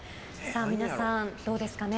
皆さん、どうですかね。